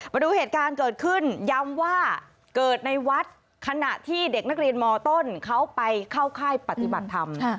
มาดูเหตุการณ์เกิดขึ้นย้ำว่าเกิดในวัดขณะที่เด็กนักเรียนมต้นเขาไปเข้าค่ายปฏิบัติธรรม